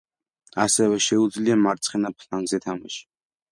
ასევე შეუძლია მარცხენა ფლანგზე თამაში.